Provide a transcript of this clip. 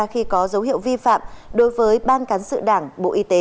khi có dấu hiệu vi phạm đối với ban cán sự đảng bộ y tế